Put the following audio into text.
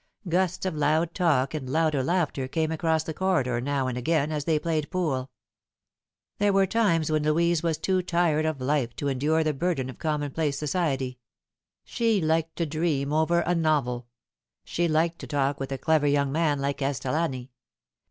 Gusts of loud talk and louder laughter came across the corridor now and again as they played pool. There were times when Louise was too tired of life to endure the burden of commonplace society. She liked to dream over a novel. She liked to talk with a clever young man like Castellani.